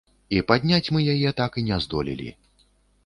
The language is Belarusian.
І падняць мы яе так і не здолелі.